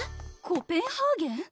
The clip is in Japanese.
コペンハーゲン？